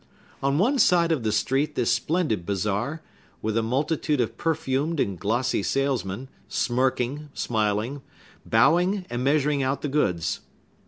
On one side of the street this splendid bazaar, with a multitude of perfumed and glossy salesmen, smirking, smiling, bowing, and measuring out the goods.